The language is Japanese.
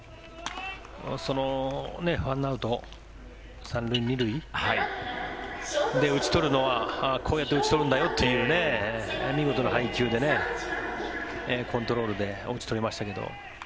１アウト３塁２塁で打ち取るのはこうやって打ち取るんだよっていう見事な配球で、コントロールで打ち取りましたけど。